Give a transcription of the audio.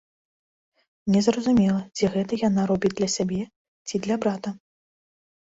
Незразумела, ці гэта яна робіць для сябе, ці для брата.